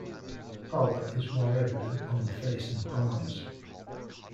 Pallor is more evident on the face and palms.